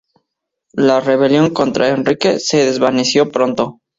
La rebelión contra Enrique se desvaneció pronto.